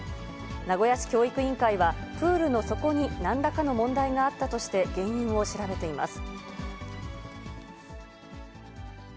名古屋市教育委員会は、プールの底になんらかの問題があったとして、原因を調べています。